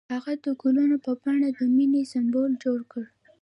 هغه د ګلونه په بڼه د مینې سمبول جوړ کړ.